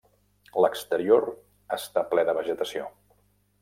L'exterior està ple de vegetació.